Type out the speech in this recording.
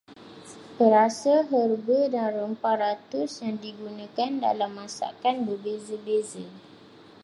Perasa, herba dan rempah ratus yang digunakan dalam masakan berbeza-beza.